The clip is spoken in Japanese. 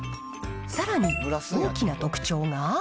さらに大きな特徴が。